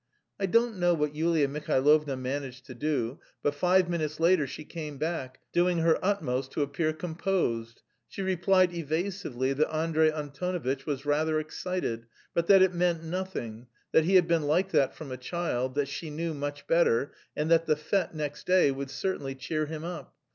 I don't know what Yulia Mihailovna managed to do, but five minutes later she came back, doing her utmost to appear composed. She replied evasively that Andrey Antonovitch was rather excited, but that it meant nothing, that he had been like that from a child, that she knew "much better," and that the fête next day would certainly cheer him up.